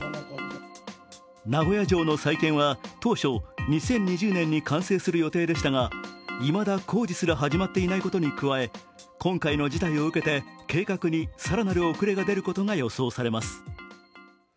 名古屋城の再建は当初２０２０年に完成する予定でしたがいまだ工事すら始まっていないことに加え、今回の事態を受けて計画に更なる遅れが出ることが予想されます。